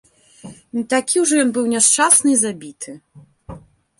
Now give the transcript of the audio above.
Не такі ўжо ён быў няшчасны і забіты!